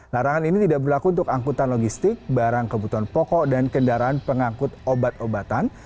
larangan ini tidak berlaku untuk angkutan logistik barang kebutuhan pokok dan kendaraan pengangkut obat obatan